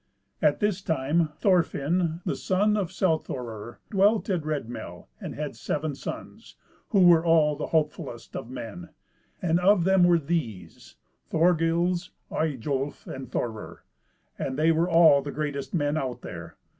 At this time Thorfin, the son of Selthorir, dwelt at Red Mel, and had seven sons, who were all the hopefullest of men; and of them were these Thorgils, Eyjolf, and Thorir; and they were all the greatest men out there.